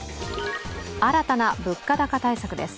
新たな物価高対策です。